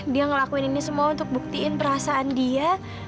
dia ngelakuin ini semua untuk buktiin perasaan dia